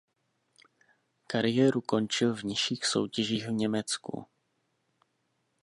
Kariéru končil v nižších soutěžích v Německu.